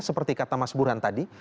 seperti kata mas burhan tadi